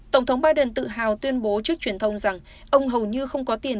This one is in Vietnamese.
tổng thống biden tự hào tuyên bố trước truyền thông rằng ông hầu như không có tiền